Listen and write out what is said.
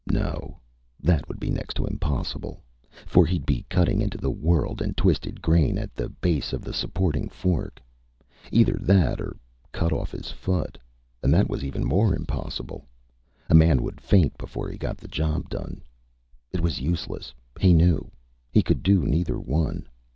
No, that would be next to impossible, for he'd be cutting into the whorled and twisted grain at the base of the supporting fork. Either that or cut off his foot, and that was even more impossible. A man would faint before he got the job done. It was useless, he knew. He could do neither one.